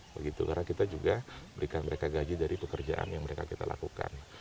karena kita juga memberikan mereka gaji dari pekerjaan yang mereka lakukan